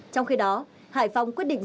trong khi đó hải phòng quyết định